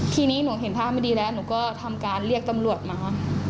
ทีนี้หนูเห็นท่าไม่ดีแล้วหนูก็ทำการเรียกตำรวจมา